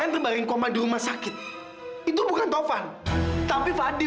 tapi adalah tovan